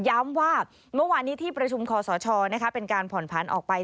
ย้ำว่าเมื่อวานนี้ที่ประชุมคอสชเป็นการผ่อนผันออกไป